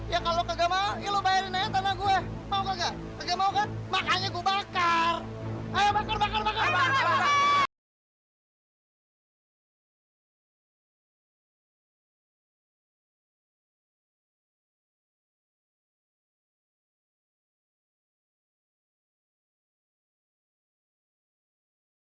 ya kalau kagak mau